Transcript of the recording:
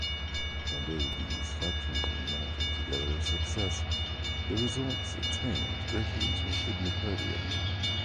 Although these factories were not altogether a success, the results attained greatly interested Napoleon.